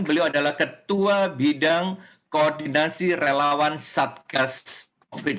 beliau adalah ketua bidang koordinasi relawan satgas covid sembilan belas